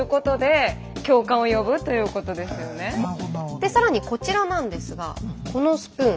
で更にこちらなんですがこのスプーン。